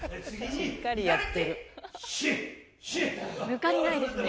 抜かりないですね。